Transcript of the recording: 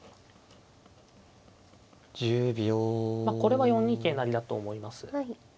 まあこれは４二桂成だと思います。